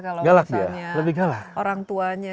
kalau misalnya orang tuanya